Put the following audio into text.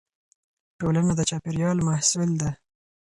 ټولنه د چاپېريال محصول ده.